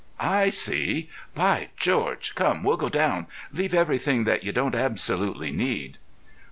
"I see. By George! Come, we'll go down. Leave everything that you don't absolutely need."